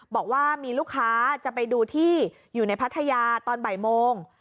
บอกว่ามีลูกค้าจะไปดูที่อยู่ในพัทยาตอนบ่ายโมง